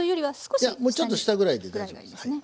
いやちょっと下ぐらいで大丈夫です。